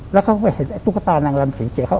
แล้วเข้าไปเห็นตุ๊กตานางลำสีเขียวเข้า